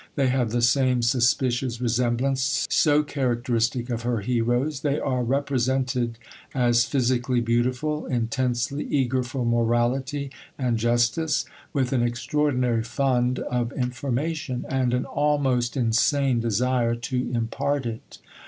They have the same suspicious resemblance so characteristic of her heroes; they are represented as physically beautiful, intensely eager for morality and justice, with an extraordinary fund of information, and an almost insane desire to impart it.